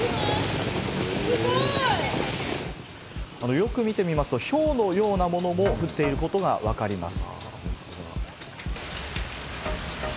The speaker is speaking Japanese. よく見てみますと、ひょうのようなものも降っていることがわかります。